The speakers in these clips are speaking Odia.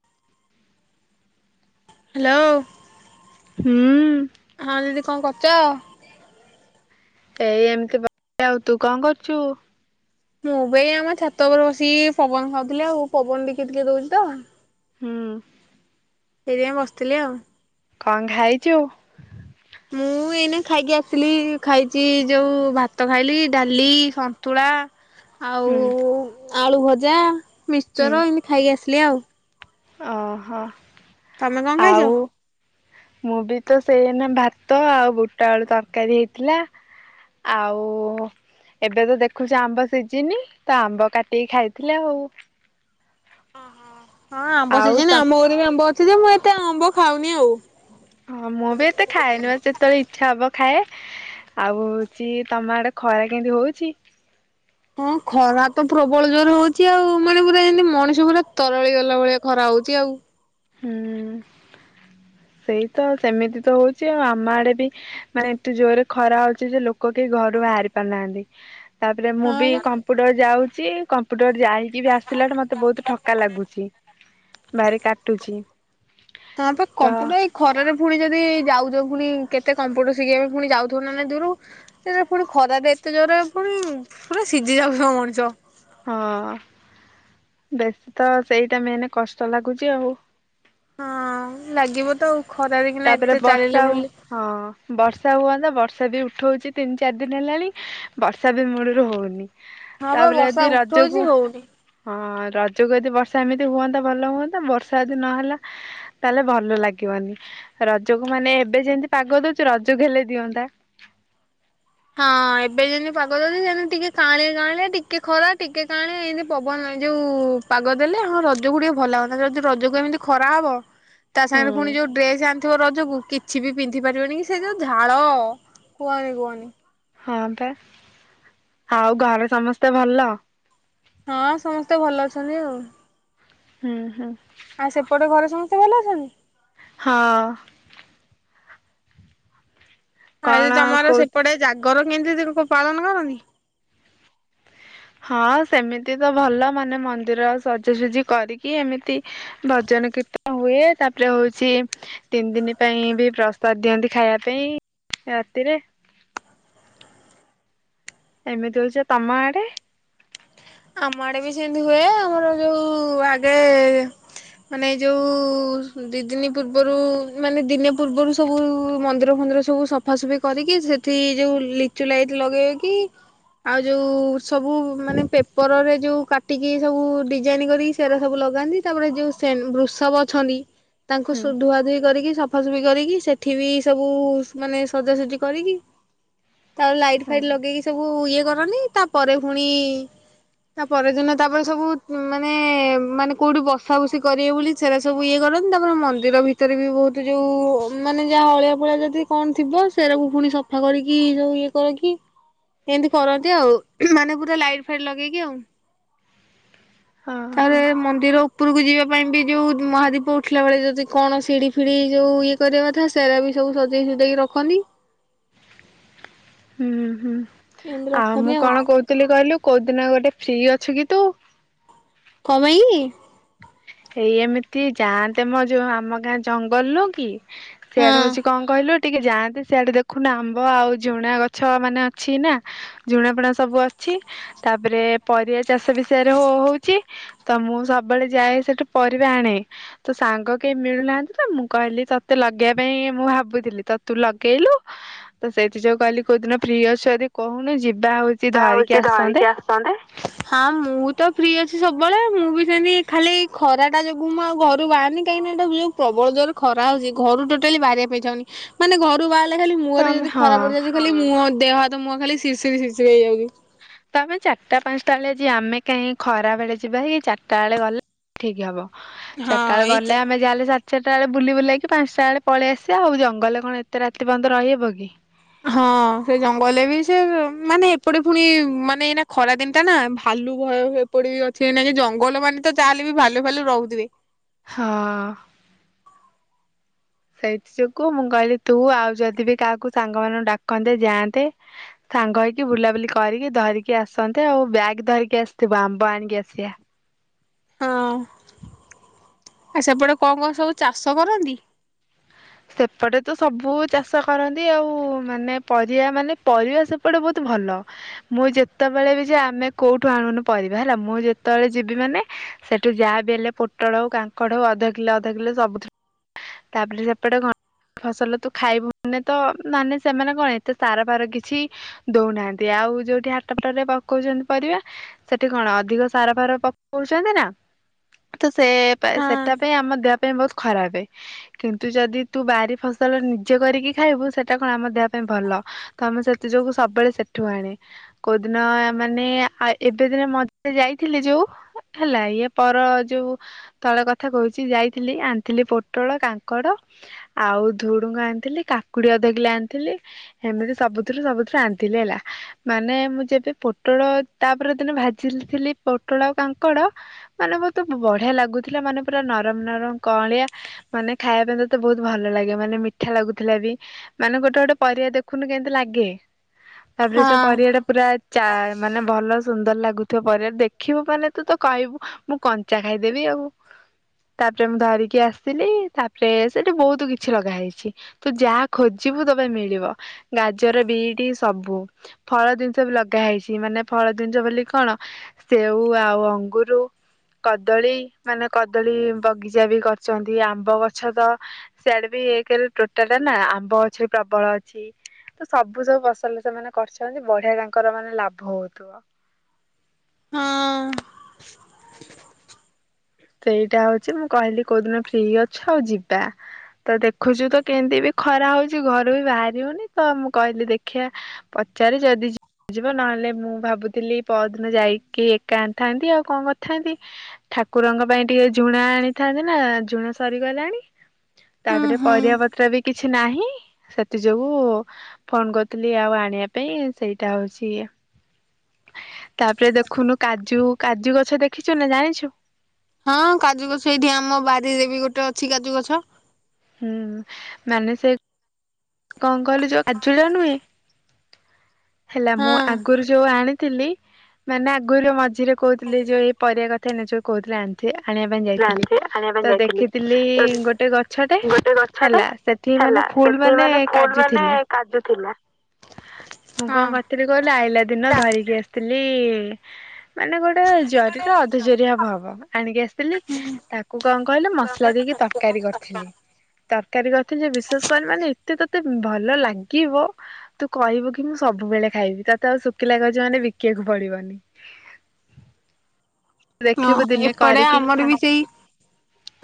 [inaudible] ହ୍ୟାଲୋ। ହୁଁ। ହଁ ଦିଦି କଣ କରୁଛ? ଏଇ ଏମିତିଆ ଆଉ ତୁ କଣ କରୁଛୁ? ମୁଁ ବି ଆମ ଛାତ ଉପରେ ବସିକି ପବନ ଖାଉଥିଲି ଆଉ ପବନ ଟିକେ ଟିକେ ଦଉଛି ତ। ହଁ। ସେଇଥିପାଇଁ ବସିଥିଲି ଆଉ। କଣ ଖାଇଛୁ? ମୁଁ ଏଇନା ଖାଇକି ଆସିଲି ଖାଇଛି ଯୋଉ ଭାତ ଖାଇଲି ଡାଲି ସନ୍ତୁଳା। ଆଉ ହୁଁ ଆଳୁ ଭଜା। ହୁଁ ମିକ୍ଚର୍ ଏମିତି ଖାଇକି ଆସେ ଲିଆଉ। ଓହୋ। ତମେ କଣ ଖାଇଛ? ଆଉ ମୁଁ ବି ତ ସେଇନା ଭାତ ଆଉ ବୁଟ ଆଳୁ ତରକାରୀ ହେଇଥିଲା ଆଉ ଏବେ ତ ଦେଖୁଛି ଆମ୍ବ ସିଝିନି ତ ଆମ୍ବ କାଟିକି ଖାଇଥିଲି ଆଉ। ଓ ହୋ। ହଁ ଆମ୍ବ ଆଉ ସିଜିନି ତମ ଆମ ଘରେ ବି ଆମ୍ବ। ଛି ଜେ ମୁଁ ଏତେ ଅମ୍ବ ଖାଉନି ଆଉ। ହଁ ମୁଁ ବି ଏତେ ଖାଏନି ବା ଯେତେବେଳେ ଇଚଛା ହବ ଖାଏ ଆଉ ହଉଛି ତମ ଆଡେ ଖରା କେମିତି ହଉଛି? ହଁ ଖରା ତ ପ୍ରବଳ ଜୋର ହଉଛି ଆଉ ମାନେ ପୁରା ଯେମିତି ମଣିଷ ପୁରା ତରଳି ଗଲା ଭଳିଆ ଖରା ହଉଛି ଆଉ। ହୁଁ ସେଇ ତ ସେମିତି ତ ହଉଛି ଆଉ ଆମ ଆଡେ ବି ମାନେ ଏତେ ଜୋରରେ ଖରା ଅଉଛି ଯେ ଲୋକ କେହି ଘରୁ ବାହାରି ପାରୁନାହାନ୍ତି। ତାପରେ ମୁଁ ହଁ ବି ବା। କମ୍ପୁଟର ଯାଉଛି। ସେ କମ୍ୁ ଯାଇକି ବି ଆସିଲାଠୁ ମତେ ବହୁତ ଠକା ଲାଗୁଛି। ବାରି କାଟ ଟୁଛିି। ହଁ ପା କମ୍ପୁଟର ଏଇ ଖରାରେ ପୁଣି ଯଦି ଯାଉ ଯାଉ ପୁଣି କେତେ କମ୍ପ୍ୟୁଟର ଶିଖିବା ପାଇଁ ପୁଣି ଯାଉଥୁବ ନା ନାଇଁ ଦୂରୁକୁ ସେ ଜୋଉ ଫୁଣି ଖରା ରେ ଏତେ ଜୋରରେ ଫୁଣି ପୁରା ସିଜି ଯାଉଥିବ ମଣିଷ। ହଁ ବେଶୀ ତ ସେଇଟା ମେନେ କଷ୍ଟ ଲାଗୁଚି ଆଉ। ହଁ ଲାଗିବ ତ ଆଉ। ଖରାରେ କିନା ତାପରେ ଏତେ ଚାଲିଲେ ବର୍ଷା ଉ ବୁଲି ହଁ ବର୍ଷା ହୁଅନ୍ତା ବର୍ଷା ବର୍ଷା ବି ଉଠଉଚି ତିନି ଚାରି ଦିନ ହେଲାଣି ବର୍ଷା ବି ମୂଳୁରୁ ହଉନି। ହଁ ପା ତାପରେ ବର୍ଷା ଯଦି ରଜକୁ ଉଠଉଚି ହଉନି। ହଁ ରଜକୁ ଯଦି ବର୍ଷା ଏମିତି ହୁଅନ୍ତା ଭଲ ହୁଅନ୍ତା ବର୍ଷା ଯଦି ନହେଲା ତାହେଲେ ଭଲ ଲାଗିବନି। ରଜକୁ ମାନେ ଏବେ ଯେମିତି ପାଗ ଦଉଚି ରଜ କୁ ହେଲେ ଦିଅନ୍ତା। ହଁ ଏବେ ଯେମିତି ପାଗ ଦଉଚି ସେମିତି ଟିକେ କାଆଁଳିଆ କାଆଁଳିଆ ଟିକେ ଖରା ଟିକେ କାଆଁଳିଆ ଏନ୍ତି ପବନ ଏ ଯୋଉ ପାଗ ଦେଲେ ହଁ ରଜକୁ ଟିକେ ଭଲ ଲାଗନ୍ତା ଯଦି ରଜକୁ ଏମିତି ଖରା ହବ ତା ହୁଁ। ସାଙ୍ଗରେ ଫୁଣି ଯୋଉ ଡ୍ରେସ ଆ ଥିବ ରଜକୁ କିଛି ବି ପିନ୍ଧି ପାରିବନି କି ସେ ଯୋଉ ଝାଳ କୁହନି କୁହନି। ହଁ ପା ଆଉ ଘରେ ସମସ୍ତେ ଭଲ। ହଁ ସମସ୍ତେ ଭଲ ଅଛନ୍ତି ଆଉ। ହୁଁ ହୁଁ। ଆଉ ସେପଟେ ଘରେ ସମସ୍ତେ ଭଲ ଅଛନ୍ତି। ହଁ। ଆଉ କଣ ଯୋଉ ତମର କହୁଥିଲି ସେପଟେ ଜାଗର [unintelligible] ପାଳନ କରନ୍ତି। ହଁ ସେମିତି ତ ଭଲ ମାନେ ମନ୍ଦିର ସଜାସଜି କରିକି ଏମିତି ଭଜନ କୀର୍ତ୍ତନ ହୁଏ ତାପରେ ହଉଚି ତିନି ଦିନ ପାଇଁ ବି ପ୍ରସାଦ ଦିଅନ୍ତି ଖାଇବା ପାଇଁ ରାତିରେ। ଏମିତି ହଉଚି ତମ ଆଡେ? ଆମ ଆଡେ ବି ସେମିତି ହୁଏ ଆମର ଯୋଉ ଆଗେ ମାନେ ଯୋଉ ଦି ଦିନ ପୂର୍ବରୁ ମାନେ ଦିନେ ପୂର୍ବରୁ ସବୁ ମନ୍ଦିର ଫନ୍ଦିର ସବୁ ସଫାସୁଫି କରିକି ସେଠି ଯୋଉ ଲିଚୁ ଲାଇଟ ଲଗେଇକି ଆଉ ଯୋଉ ସବୁ ମାନେ ପେ ପରରେ ଯୋଉ କାଟିକି ସବୁ ଡିଜାଇନ୍ କରିକି ସେରା ସବୁ ଲଗାନ୍ତି ତାପରେ ଯୋଉ ସେନ୍ ବୃଷଭ ଅଛନ୍ତି। ତାଙ୍କୁ ହୁଁ ସୁ ଧୁଆ ଧୁଇ କରିକି ସ ସଫାସୁଫି କରିକି ସେଠି ବି ସବୁ ମାନେ ସଜାସୁଜି କରିକି। ତା ପରେ ଲାଇଟ୍ ଫାଇଟ୍ ଲଗେଇକି ସବୁ ଇଏ କରନି ତାପରେ ଫୁଣି ତା ପରଦିନ ତାପରେ ସବୁ ମାନେ ମାନେ କୋଉଠି ବସା ବୁସି କରିବେ ବୋଲି ସେରା ସବୁ ଇଏ କରନ୍ତି। ତାପରେ ମନ୍ଦିର ଭିତରେ ବି ବହୁତ ଯୋଉ ମାନେ ଯାହା ଅଳିଆ ଫଳିଆ ଯଦି କଣ ଥିବ ସେରକୁ ଫୁଣି ସଫା କରିକି ଯୋଉ ଇଏ କରିକି ଏମିତି କରନ୍ତି ଆଉ। ମାନେ ପୁରା ଲାଇଟ ଫାଇଟ ଲଗେଇ [unintelligible] ହଁ ତାପରେ ହଁ। ମନ୍ଦିର ଉପୁରୁକୁ ଯିବା ପାଇଁ ବି ଯୋଉ ମହାଦୀପ ଉଠିଲା ବେଳେ ଯଦି କଣ ସିଢି ଫିଡି ଯୋଉ ଇଏ କରିବା କଥା ସେରା ବି ସବୁ ସଜେଇ ସୁଜାଇକି ରଖନ୍ତି। ହୁଁ ହୁଁ। ଏମିତି ଆଉ ରଖନ୍ତି ମୁଁ କଣ କଉଥିଲି କଇଲୁ କୋଉ ଦିନ ଗୋଟେ ଫ୍ରି ଅଛୁ କି ତୁ? କଅଁ ମାଇଁ କି? ସେଇ ଏମିତି ଯାଆନ୍ତେ ମ ଯୋଉ ଆମ ଗାଁ ଜଙ୍ଗଲ ନୁ କି? ସିଆଡେ ହଁ। ହଉଚି କଣ କହିଲୁ? ଟିକେ ଯାଆନ୍ତେ ସିଆଡେ ଦେଖୁନୁ ଆମ୍ବ ଆଉ ଝୁଣା ଗଛ ମାନେ ଅଛି ନା ଝୁଣା ଫୁଣା ସବୁ ଅଛି ତାପରେ ପରିବା ଚାଷ ବି ସିୟାରେ ହୋ-ହୋ-ହଉଛି ତ ମୁଁ ସ ବେଳେ ଯାଏ ସେଠୁ ପରିବା ଆଣେ ତୋ ସାଙ୍ଗ କେହି ମିଳୁନାହାନ୍ତି ତ ମୁଁ କହିଲି ତୋତେ ଲଗେଇବା ପାଇଁ ମୁଁ ଭାବୁଥିଲି ତ ତୁ ଲଗେଇଲୁ ତ ସେଇଠି ଯୋଉ କଇଲି କୋଉ ଦିନ ଫ୍ରି ଅଛୁ ଜଦି କହୁନୁ ଯି ବା ହଉଚି ଧରିକି ଆସନ୍ତେ। ହଁ ମୁଁ ତ ଫ୍ରି ଅଛି ସବୁ ବେଳେ ମୁଁ ବି ସେତି ଖାଲି ଖରାଟା ଯୋଗୁ ମୁଁ ଆଉ ଘରୁ ବାହାରୁନି କାହିଁକିନା ଏଟା ଯଉ ପ୍ରବଳ ଜୋରରେ ଖରା ହଉଛି ଘରୁ ଟୋଟାଲି ବାହାରିବାପାଇଁ ଇଛାହଉନି ମାନେ ଘରୁ ବାହାର ଖାଲି ତ ମୁଁହରେ ଆମେ ଯଦି ହଁ ଖରା ପଡ଼ିଯାଉଛି ଖାଲି ମୁଁହ ଦେହ ହାତ ମୁହ ଖାଲି ସିରଶିରି ସିରଶିରି ହେଇ ଯାଉ ତ ଆମେ ଚାରିଟା ପାଞ୍ଚଟା ବେଳେ ଯିବା ଆମେ କାହିଁ ଖରା ବେଳେ ଯିବା କି ଚାରିଟା ବେଳେ ଗଲେ ଠିକ ହବ। ଚାରିଟା ବେଳେ ଗଲେ ଆମେ ଯାହେଲେ ସା ଚାରିଟା ବେଳେ ବୁଲି ବୁଲେଇକି ପାଞ୍ଚଟା ବେଳେ ପଳେଇ ଆସିବା ଆଉ ଜଙ୍ଗଲରେ କଣ ଏତେ ରାତି ପର୍ଯ୍ୟନ୍ତ ରହିହବ କି? ହଁ ସେ ଜଙ୍ଗଲରେ ବି ସେ ମାନେ ଏପଟେ ପୁଣି ମାନେ ଏନା ଖରା ଦିନ ଟା ନା ଭାଲୁ ଭୟ ଏପଟେ ବି ଅଛି ଏନା ଜଙ୍ଗଲ ମାନେ ତ ଯାହେଲେ ବି ଭାଲୁ ଭାଲୁ ରହୁଥିବେ। ହଁ। ସେଇଥି ଯୋଗୁ ମୁଁ କହିଲି ତୁ ଆଉ ଯଦି ବି କାହାକୁ ସାଙ୍ଗ ମାନଙ୍କୁ ଡାକନ୍ତେ ଯାଆନ୍ତେ ସାଙ୍ଗ ହେଇକି ବୁଲାବୁଲି କରିକି ଧରିକି ଆସନ୍ତେ ଆଉ ବ୍ୟାଗ ଧରିକି ଆସିଥିବୁ ଆମ୍ବ ଆଣିକି ଆସିଆ। ହଁ ଆ ସେପଟେ କଣ କଣ ସବୁ ଚାଷ କରନ୍ତି? ସେପଟେ ତ ସବୁ ଚାଷ କରନ୍ତି ଆଉ ମାନେ ପରିବା ମାନେ ପରିବା ସେପଟେ ବହୁତ ଭଲ ମୁଁ ଯେତେବେଳେ ବି ଯାଏ ଆମେ କୋଉଠୁ ଆଣୁନୁ ପରିବା ହେଲା ମୁଁ ଯେତେବେଳେ ଯିବି ମାନେ ସେଠୁ ଯାହା ବି ହେଲେ ପୋଟଳ ହଉ କାଙ୍କଡ଼ ହଉ ଅଧ କିଲୋ ଅଧ କିଲୋ ସବୁ ତାପରେ ସେପଟେ କଣ ଫସଲ ତୁ ଖାଇବୁନି ତ ମାନେ ସେମାନେ କଣ ଏତେ ସାର ଫାର କିଛି ଦଉନାହାନ୍ତି ଆଉ ଯୋଉଠି ହାଟପଟରେ ପକଉଛନ୍ତି ପରିବା ସେଠି କଣ ଅଧିକ ସାର ଫାର ପକଉଛନ୍ତି ନା ତ ସେଟା ହଁ ସେଟା ପାଇଁ ଆମ ଦେହ ପାଇଁ ବହୁ ଖରାପେ। କିନ୍ତୁ ଯଦି ତୁ ବାରି ଫସଲ ନିଜେ କରିକି ଖାଇବୁ ସେଟା କଣ ଆମ ଦେହ ପାଇଁ ଭଲ ତ ଆମେ ସେଥି ଯୋଗୁ ସବୁବେଳେ ସେଠୁ ଆଣେ କୋଉଦିନ ମାନେ ଆ ଏବେ ଦିନ ମଝିରେ ଯାଇଥିଲି ଯୋଉ ହେଲା ଇଏ ପର ଯୋଉ ତଳେ କଥା କହୁଛି ଯାଇଥିଲି ଆଣିଥିଲି ପୋ ପୋଟଳ କାଙ୍କଡ ଆଉ ଧୁଡୁଙ୍ଗ ଆଣିଥିଲି କାକୁଡି ଅଧ କିଲେ ଆଣିଥିଲି ଏମିତି ସବୁଥିରୁ ସବୁଥିରୁ ଆଣିଥିଲି ହେଲା ମାନେ ମୁଁ ଯେବେ ପୋଟଳ ତାପରେ ଦିନ ଭାଜିଥିଲି ପୋଟଳ ଆଉ କାଙ୍କଡ ମାନେ ବହୁତ ବଢିଆ ଲାଗୁଥିଲା ମାନେ ପୁରା ନରମ ନରମ କଅଁଳିଆ ମାନେ ଖାଇବା ପାଇଁ ତ ତେ ବହୁତ ଭଲ ଲାଗେ ମାନେ ମିଠା ଲାଗୁଥିଲା ବି ମାନେ ଗୋଟେ ଗୋଟେ ପରିବା ଦେଖୁନୁ କେମତି ଲାଗେ। ତାପରେ ହଁ ସେ ପରିବା ଟା ପୁରା ଚା ମାନେ ଭଲ ସୁନ୍ଦର ଭଲ ଲାଗୁଥିବ ପରିବାର ଦେଖିବୁ ମାନେ ତୁ ତ କହିବୁ ମୁଁ କଞ୍ଚା ଖାଇଦେବି ଆଉ ତାପରେ ମୁଁ ଧରିକି ଆସିି ଆସିଲି ତାପରେ ସେଠି ବହୁତ କିଛି ଲଗା ହେଇଛି ତୁ ଯାହା ଖୋଜିବୁ ତପାଇଁ ମିଳିବ ଗାଜର ବିଟି ସବୁ ଫଳ ଜିନିଷ ବି ଲଗା ହେଇଛି ମାନେ ଫଳ ଜିନିଷ ବୋଲି କଣ ସେଉ ଆଉ ଅଙ୍ଗୁରୁ କଦଳୀ ମାନେ କଦଳୀ ବଗିଚା ବି କରଛନ୍ତି ଆମ୍ବ ଗଛ ତ ସେଆଡେ ବି ଏକ ରେ ତୋଟାଟା ନା ଆମ୍ବ ଗଛ ବି ପ୍ରବଳ ଅଛି ତ ସବୁ ସବୁ ଫସଲ ସେମାନେ କରିଛନ୍ତି ବଢିଆ ତାଙ୍କର ମାନେ ଲାଭ ହଉଥିବ। ହଁ। ସେଇଟା ହଉଛି ମୁଁ କହିଲି କୋଉଦିନ ଫ୍ରି ଅଛ ଯିବା ତ ଦେଖୁଛୁ ତ କେମିତି ବି ଖରା ହଉଛି ଘରୁ ବି ବାହାରି ହଉନି ତ ମୁଁ କହିଲି ଦେଖିବା ପଚାରେ ଯଦି ଯିବ ନହେଲେ ମୁଁ ଭାବୁଥିଲି ପରଦିନ ଯାଇକି ଏକା ଆଣି ଥାନ୍ତି ଆଉ କଣ କରିଥାନ୍ତି ଠାକୁ କୁରଙ୍କ ପାଇଁ ଟିକେ ଝୁଣା ଆଣିଥାନ୍ତି ନା ଝୁଣା ସରିଗଲାଣି। ଉଁ ତାପରେ ହୁଁ। ପରିବାପତ୍ର ବି କିଛି ନାହିଁ ସେଥି ଯୋଗୁ ଫୋନ କରିଥିଲି ଆଉ ଆଣିବା ପାଇଁ ସେଇଟା ହଉଛି ତାପରେ ଦେଖୁନୁ କାଜୁ କାଜୁ ଗଛ ଦେଖିଛୁ ନା ଜାଣିଛୁ? ହଁ କାଜୁ ଗଛ ଏଇଠି ଆମ ବାରିରେ ବି ଗୋଟେ ଅଛି କାଜୁ ଗଛ। ହୁଁ ମାନେ ସେ କଣ କହିଲୁ ଯୋଉ କାଜୁୁର ନୁହେଁ। [inaudible] ହେଲା ମୁଁ ହଁ। ଆଗରୁ ଯୋଉ ଆଣେ ଥିଲି ମାନେ ଆଗରୁ ମଝିରେ କହୁଥିଲି ଯୋଉ ଏଇ ପରିବା କଥା ଏ ଯଉ କହୁଥିଲେ ଆଣିଥି ଆାଣିବା ପାଇଁ ଯାଇଥିଲି ତ ଦେଖିଥିଲି ଗୋଟେ ଗଛଟେ ହେଲା ସେଠି ମାନେ ଫୁଲ୍ ମାନେ କାଜୁ ଥିଲା ମୁଁ କଣ କରିଥିଲି କହିଲୁ ଆଇଲା ଦିନ ଧରିକି ଆସିଥିଲି। ଲି ମାନେ ଗୋଟେ ଜରିରେ ଅଧ ଜରିଏ ହବ ହବ ଆଣିକି ଆସିଥିଲି ତାକୁ କଣ କହିଲୁ ମସଲା ଦେଇକି ତରକାରୀ କରିଥିଲି ତରକାରୀ କରିଥିଲି ବିଶେଷ କରି ମାନେ ଏତେ ତ ତତେ ଭଲ ଲାଗିବ ତୁ କହିବୁ କି ମୁଁ ସବୁବେଳେ ଖାଇବି ତତେ ଆଉ ଶୁଖିଲା ଗଜ ମାନେ ବିକିବାକୁ ପଡିବନି। ଦେଖିବୁ ଓହୋ ଦିନେ ଏପଟେ କରିକି ଆମର ଖା ବି ସେଇ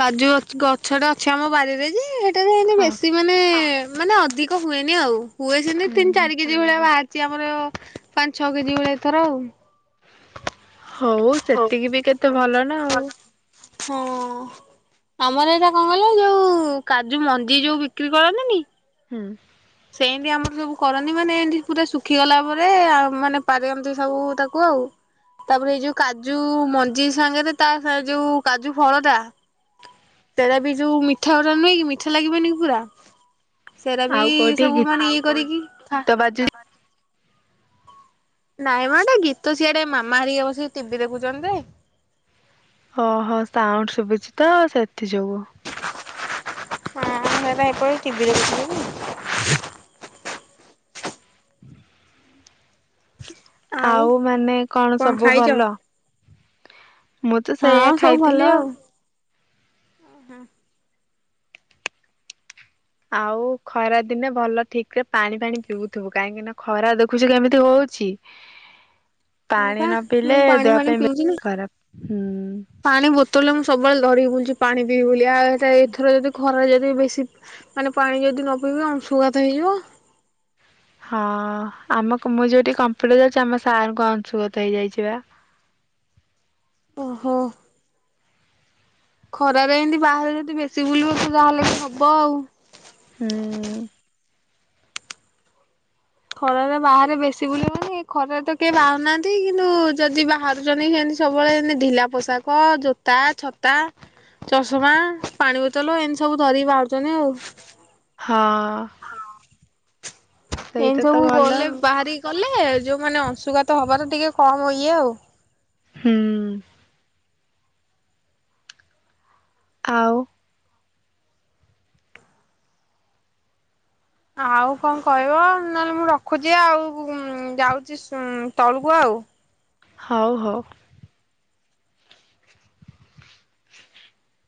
କାଜୁଗଛ ଛଟେ ଅଛି ଆମ ବାରିରେ ଯେ [unintelligible] ହଁ ବେଶି ମାନେ ମାନେ ଅଧିକ ହୁଏନି ଆଉ ହୁଏ ସେମତି ହୁଁ ତିନ ହୁଁ। ଚାରି କିଜି ଭଳିଆ ବା ଆମର ପାଞ୍ଚ ଛଅ କେଜି ଭଳି ଏଥର। ହଉ ସେତିକି ବି କେତେ ଭଲ। ନା ଆଉ ହଁ। ଆମର ଏଟା କଣ କଲେ ଯୋଉ କାଜୁ ମଞ୍ଜି ଯୋଉ ବିକ୍ରି କରନ୍ତିନି। ହୁଁ। ଏମତି ଆମର ସବୁ କରନ୍ତି ମାନେ ଏମତି ପୁରା ଶୁଖି ଗଲା ପରେ ମାନେ ପାରନ୍ତି ଏମତି ସବୁ ତାକୁ ଆଉ ତାପରେ ଏଇ ଯୋଉ କାଜୁ ମଞ୍ଜି ସାଙ୍ଗରେ ତା ଯୋଉ କାଜୁଫଳଟା ସେଟା ବି ଯୋଉ ମିଠାଉରା ନୁହେଁ କି ମିଠା ଲାଗିବନି କି ପୁରା। ସେଇଟା ବି ଆଉ କୋଉଠି ସବୁ ମାନେ ଇଏ କରିକି ଗୀତ ବାଜୁଛି ନାଇଁ ମାନେ ଗୀତ ସିଆଡେ ମାମା ହେରିକା ବସିକି ଟିଭିି ଦେଖୁଛନ୍ତି ଯେ ଓହୋ ସାଉଣ୍ଡ ଶୁଭୁଛି ତ ସେଥି ଯୋଗୁ ହଁ ସେଟ ଏପ ଟିଭି ଦେଖଥିଲ। ଆଉ ମାନେ କଣ ସବୁ ଭଲ ମୁଁ ତ ସେଇଆ ହଁ ସବୁ ଭଲ ଖାଇଥିଲି ଆଉ। [inaudible] ଆଉ ଖରା ଦିନେ ଭଲ ଠିକ ରେ ପାଣି ପାଣି ପିଉଥିବୁ କାହିଁକି ନା ଖରା ଦେଖୁଛୁ କେମିତି ହଉଛି? ହଁ ପାଣି ପା ନ ପିଇଲେ ମୁଁ ପାଣି ଦେହ ଫାଣି ପାଇଁ ପିଉଥିଲି। ଖରାପ। ହୁଁ। ପାଣି ବୋତ ତୋଲ ମୁଁ ସବୁବେଳେ ଧିରିକି ବୁଲି ପାଣି ପିଇବି ବୋଲି ଏଥର ଯଦି ଖର ଯି ବେଶୀ ମାନେ ପାଣି ଯଦି ନ ପିଇବା ଆମ ଅଂଶୁଘାତ ହେଇଯିବ। ହଁ ଆମକୁ ମୁଁ ଯୋଉଠି କମ୍ପ୍ୟୁଟର ଯାଉଛି ଆମ ସାରଙ୍କୁ ଅଂଶୁଗତ ହେଇଯାଇଛି ବା। ଓହୋ। ଖରାରେ ଏମିତି ବାହାରେ ଯଦି ବେଶୀ ବୁଲିବ ଯାହେଲେ ବି ହବ ଆଉ। ହଁ। ଖରରେ ବାହାରେ ବେଶୀ ବୁଲିବନି ଖରାରେ ତ କେ ବାହାରୁନାହାନ୍ତି କିନ୍ତୁ ଯଦି ବାହାରୁଛନ୍ତି ସେମିତି ସବୁବେଳେ ଏମତି ଢିଲା ପୋଷାକ ଜୋତା ଛତା ଚଷମା ପାଣି ବୋତଲ ଏମିତି ସବୁ ଧରିକି ବାହାରୁଛନ୍ତି ଆଉ। ହଁ। ସେଇଟା ଏନି ତ ସବୁ ଭଲ ଗଲେ ଆଉ ବାହାରି କଣ? ହେଲେ ଯୋଉ ମାନେ ଅଶୁଗାତ ହବା ଟା ଟିକେ କମ ଇଏ ଆଉ। ହୁଁ। ଆଉ। ଆଉ କଣ କହିବ ନହେଲେ ମୁଁ ରଖୁଛି ଆଉ ଯାଉଛି ତଳକୁ ଆଉ। ହଉ ହଉ। [unintelligible]